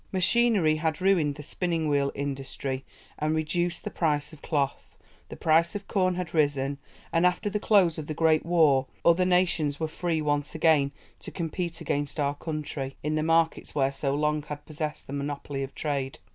Machinery had ruined the spinning wheel industry and reduced the price of cloth; the price of corn had risen, and, after the close of the great war, other nations were free once again to compete against our country in the markets where we so long had possessed the monopoly of trade.